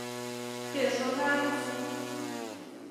— Пеш оҥайыс.